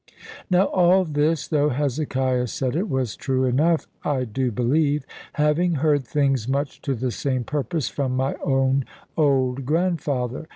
[A] Now all this, though Hezekiah said it, was true enough, I do believe, having heard things much to the same purpose from my own old grandfather.